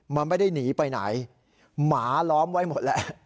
มันไม่ได้หนีไปไหนหมาล้อมไว้หมดแล้ว